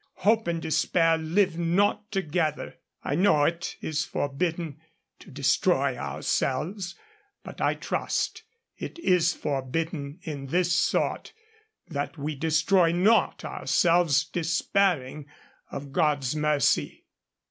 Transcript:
Hope and despair live not together. I know it is forbidden to destroy ourselves, but I trust it is forbidden in this sort that we destroy not ourselves despairing of God's mercy.